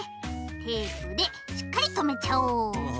テープでしっかりとめちゃおう。